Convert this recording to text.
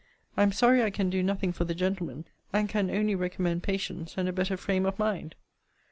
I am sorry I can do nothing for the gentleman; and can only recommend patience, and a better frame of mind.